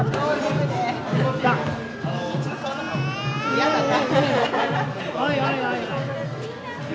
嫌だった？